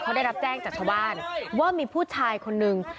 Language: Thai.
เขาได้รับแจ้งจากชาวบ้านว่ามีผู้ชายคนนึง